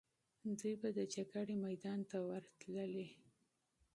دوی به د جګړې میدان ته ورتللې.